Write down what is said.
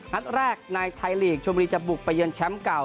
นัดแรกในไทยลีกชมบุรีจะบุกไปเยือนแชมป์เก่า